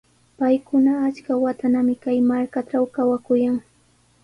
Paykuna achka watanami kay markatraw kawakuyan.